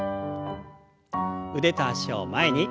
腕と脚を前に。